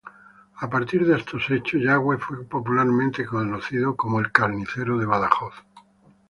A partir de estos hechos, Yagüe fue popularmente conocido como "el carnicero de Badajoz".